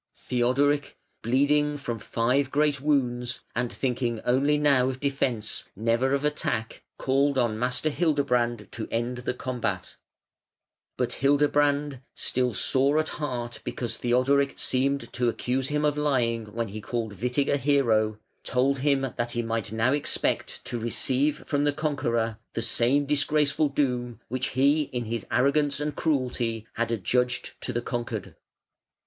Theodoric, bleeding from five great wounds, and thinking only now of defence, never of attack, called on Master Hildebrand to end the combat; but Hildebrand, still sore at heart because Theodoric seemed to accuse him of lying when he called Witig a hero, told him that he might now expect to receive from the conqueror the same disgraceful doom which he in his arrogance and cruelty had adjudged to the conquered.